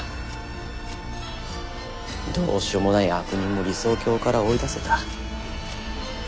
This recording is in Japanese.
どうしようもない悪人も理想郷から追い出せた。